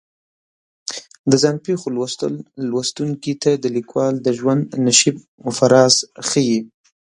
د ځان پېښو لوستل لوستونکي ته د لیکوال د ژوند نشیب و فراز ښیي.